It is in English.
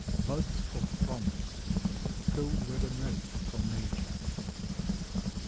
BUDS OF PROMISE. COLD WEATHER NOTES FROM NATURE.